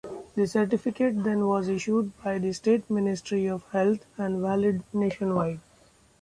The certificate then was issued by the state Ministry of Health and valid nationwide.